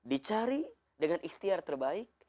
dicari dengan ikhtiar terbaik